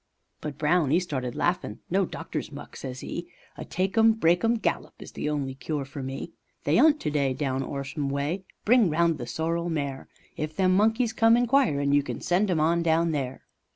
But Brown 'e started laughin': "No doctor's muck," says 'e, "A take 'em break 'em gallop is the only cure for me! They 'unt to day down 'Orsham way. Bring round the sorrel mare, If them monkeys come inquirin' you can send 'em on down there."